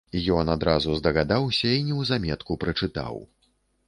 Ён адразу здагадаўся і неўзаметку прачытаў.